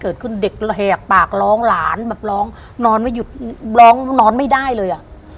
เด็กระแหกปากร้องหลานแบบร้องนอนไม่หยุดร้องนอนไม่ได้เลยอ่ะ